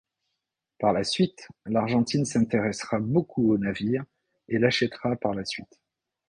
Par la suite, l'Argentine s’intéressera beaucoup au navire et l'achètera par la suite.